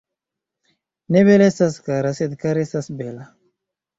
Ne bela estas kara, sed kara estas bela.